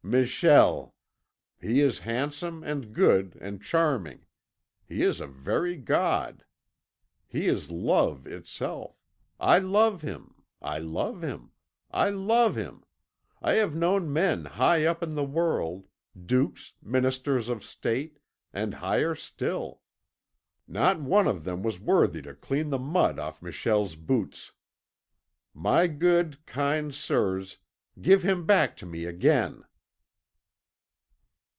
Michel! He is handsome and good and charming. He is a very god. He is Love itself. I love him! I love him! I love him! I have known men high up in the world Dukes, Ministers of State, and higher still. Not one of them was worthy to clean the mud off Michel's boots. My good, kind sirs, give him back to me again."